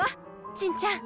ちんちゃん。